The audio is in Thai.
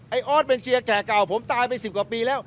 ออสเป็นเชียร์แก่เก่าผมตายไป๑๐กว่าปีแล้ว